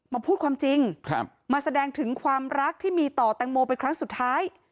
มาพูดความจริงมาแสดงถึงความรักที่มีต่อแตงโมเป็นครั้งสุดท้าย